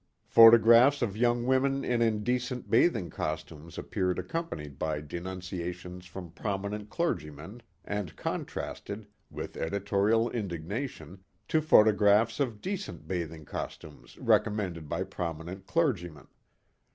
Photographs of young women in Indecent Bathing Costumes appeared accompanied by denunciations from prominent clergymen and contrasted, with editorial indignation, to photographs of Decent Bathing Costumes recommended by prominent clergymen.